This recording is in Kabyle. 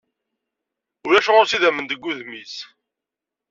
Ulac ɣur-s idamen deg wudem-is.